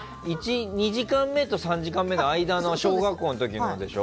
２時間目と３時間目の間の小学校の時のでしょ？